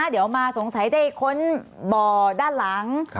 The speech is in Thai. เดี๋ยวมาสงสัยได้ค้นบ่อด้านหลัง